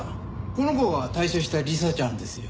この子が退所した理沙ちゃんですよ。